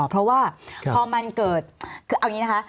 เพราะว่าพอมันเกิดคือเอาอย่างนี้นะคะ